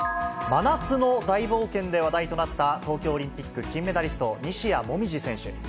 真夏の大冒険で話題となった、東京オリンピック金メダリスト、西矢椛選手。